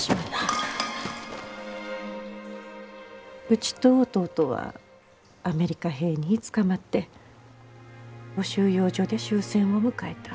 うちと弟はアメリカ兵につかまって収容所で終戦を迎えた。